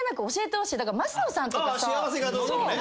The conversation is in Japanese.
幸せかどうかをね。